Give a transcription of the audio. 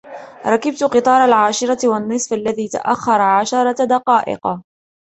ركبت قطار العاشرة و النصف الذي تأخر عشرة دقائق.